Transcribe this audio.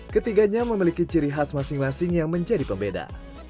ketiganya memiliki ciri khas masing masing yang menjadi pembeda